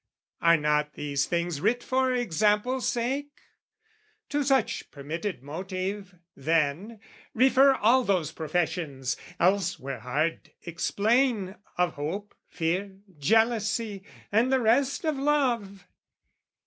Are not these things writ for example sake? To such permitted motive, then, refer All those professions, else were hard explain, Of hope, fear, jealousy, and the rest of love!